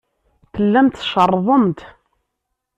Tellamt tcerrḍemt.